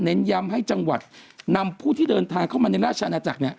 ย้ำให้จังหวัดนำผู้ที่เดินทางเข้ามาในราชอาณาจักรเนี่ย